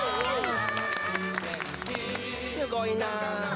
すごいな。